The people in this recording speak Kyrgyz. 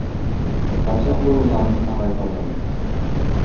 Качан курулаарын так айта албайм.